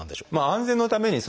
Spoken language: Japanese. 安全のために。